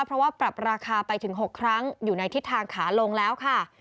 เพราะว่าปรับราคาไปถึง๖ครั้งอยู่ในทิศทางขาลงแล้วค่ะ